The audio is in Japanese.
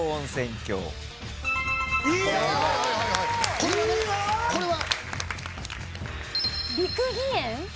これはねこれは。